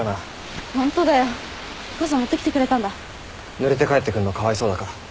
ぬれて帰ってくるのかわいそうだから。